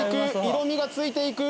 色味が付いていく。